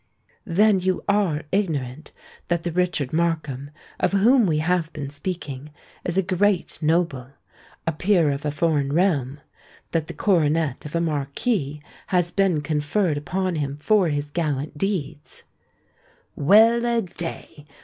"Then you are ignorant that the Richard Markham of whom we have been speaking, is a great noble—a peer of a foreign realm,—that the coronet of a Marquis has been conferred upon him for his gallant deeds——" "Well a day!